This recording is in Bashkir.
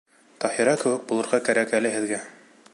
Таһира кеүек булырға кәрәк әле һеҙгә!